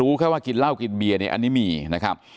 แค่ว่ากินเหล้ากินเบียร์เนี่ยอันนี้มีนะครับ